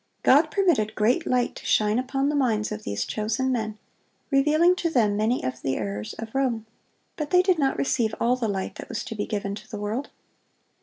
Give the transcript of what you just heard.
God permitted great light to shine upon the minds of these chosen men, revealing to them many of the errors of Rome; but they did not receive all the light that was to be given to the world.